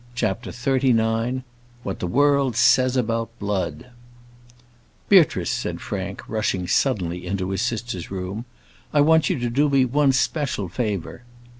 CHAPTER XXXIX What the World Says about Blood "Beatrice," said Frank, rushing suddenly into his sister's room, "I want you to do me one especial favour."